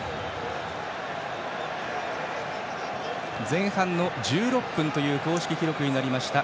前半の１６分という公式記録になりました。